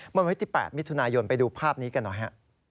เมื่อวันที่๘มิถุนายนไปดูภาพนี้กันหน่อยฮะ